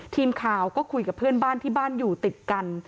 ทีมข่าวก็คุยกับเพื่อนบ้านที่บ้านอยู่ติดกัน